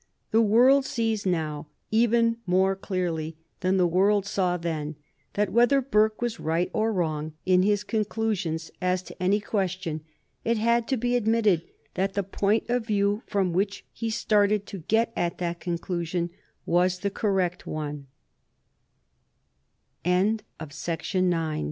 The world sees now, even more clearly than the world saw then, that whether Burke was right or wrong in his conclusions as to any question, it had to be admitted that the point of view from which he started to get at that conclusion was the correct on